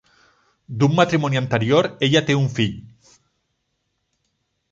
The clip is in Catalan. D'un matrimoni anterior, ella té un fill.